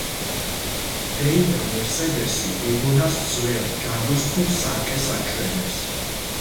დეიდა მერსედესი გოგონას ძველ, ჯადოსნურ სარკეს აჩვენებს.